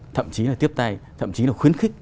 thậm chí là tiếp tay thậm chí là khuyến khích